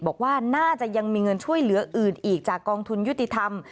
บอกว่าน่าจะยังมีเงินช่วยเหลืออื่นอีกจากกองทุนยุติธรรม